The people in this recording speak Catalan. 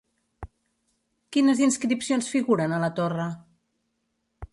Quines inscripcions figuren a la torre?